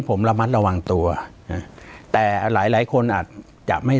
ปากกับภาคภูมิ